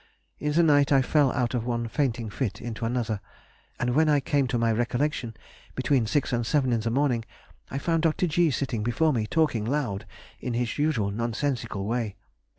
In the night I fell out of one fainting fit into another, and when I came to my recollection, between six and seven in the morning, I found Dr. G. sitting before me talking loud in his usual nonsensical way.